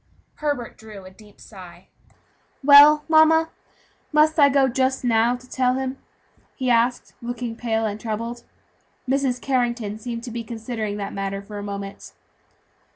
Herbert drew a deep sigh. "Well, mamma, must I go just now, to tell him?" he asked, looking pale and troubled. Mrs. Carrington seemed to be considering the matter for a moment.